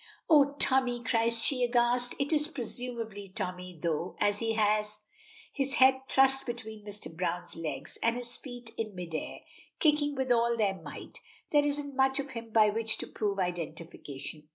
"Oh, Tommy!" cries she, aghast. It is presumably Tommy, though, as he has his head thrust between Mr. Browne's legs, and his feet in mid air, kicking with all their might, there isn't much of him by which to prove identification.